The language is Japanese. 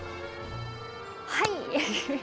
はい！